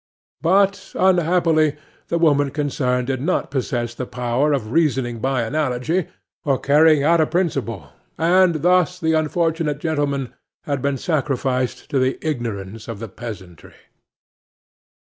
But unhappily the woman concerned did not possess the power of reasoning by analogy, or carrying out a principle, and thus the unfortunate gentleman had been sacrificed to the ignorance of the peasantry.